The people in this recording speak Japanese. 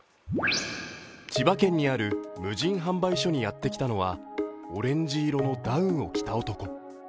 千葉県にある無人販売所にやってきたのはオレンジ色のダウンを着た男。